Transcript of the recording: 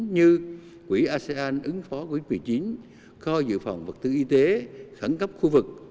như quỹ asean ứng phó covid một mươi chín kho dự phòng vật tư y tế khẳng cấp khu vực